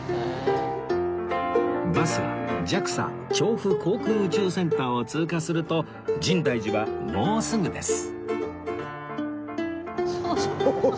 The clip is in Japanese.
バスは ＪＡＸＡ 調布航空宇宙センターを通過すると深大寺はもうすぐです